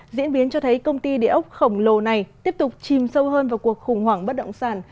diễn biến cho thấy công ty địa ốc khổng lồ này tiếp tục chìm sâu hơn vào cuộc khủng hoảng bất động sản